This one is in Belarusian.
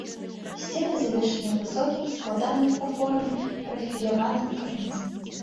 Сцены завершаныя высокім складаным па форме прафіляваным карнізам.